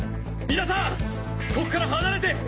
皆さんここから離れて！！